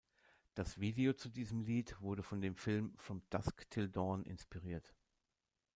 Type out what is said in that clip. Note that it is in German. Das Video zu diesem Lied wurde von dem Film "From Dusk Till Dawn" inspiriert.